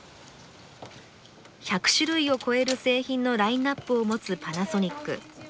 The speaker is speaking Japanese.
１００種類を超える製品のラインナップを持つパナソニック。